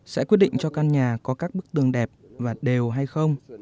sẽ quyết định cho căn nhà có các bức tường đẹp và đều hay không